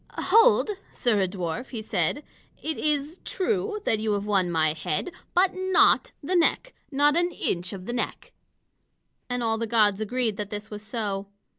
"Hold, sirrah dwarf," he said. "It is true that you have won my head, but not the neck, not an inch of the neck." And all the gods agreed that this was so.